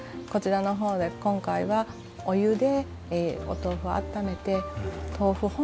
こちらの方で今回はお湯でお豆腐を温めて豆腐